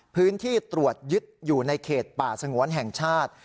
พื้นที่ตรวจยึดอยู่ในเขตป่าสงวนแห่งชาติ